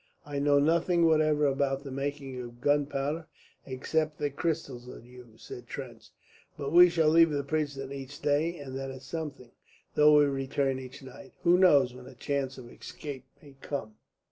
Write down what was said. "I know nothing whatever about the making of gunpowder except that crystals are used," said Trench. "But we shall leave the prison each day, and that is something, though we return each night. Who knows when a chance of escape may come?"